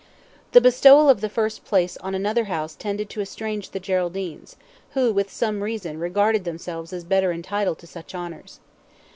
The bestowal of the first place on another house tended to estrange the Geraldines, who, with some reason, regarded themselves as better entitled to such honours.